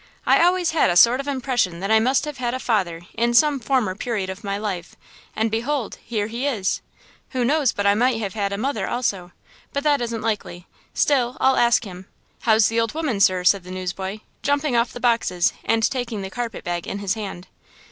I always had a sort of impression that I must have had a father in some former period of my life; and, behold, here he is! Who knows but I might have had a mother also? But that isn't likely. Still, I'll ask him. How's the old woman, sir?" said the newsboy, jumping off the boxes and taking the carpet bag in his hand.